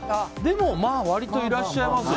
まあ、割といらっしゃいますよ。